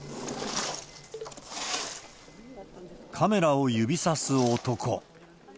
カメラを指さす男。